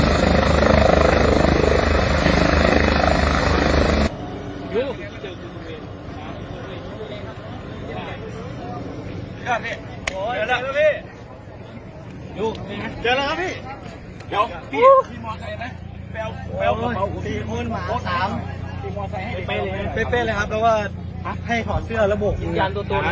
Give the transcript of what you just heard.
ทั้งสี่คนนะหยุดไฟไว้หยุดไฟไว้หยุดไฟเยอะเยอะให้คนขึ้นเยอะเยอะ